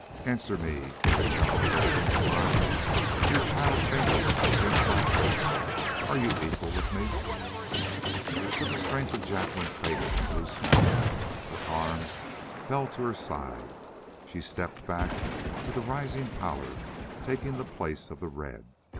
"Answer me your yellow hair against mine your child fingers against my grip are you equal with me?" But the strength of Jacqueline faded and grew small; her arms fell to her side; she stepped back, with a rising pallor taking the place of the red.